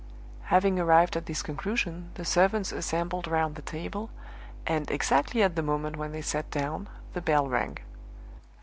Having arrived at this conclusion, the servants assembled round the table, and exactly at the moment when they sat down the bell rang.